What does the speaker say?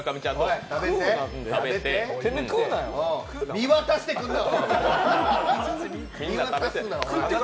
見渡してくんな！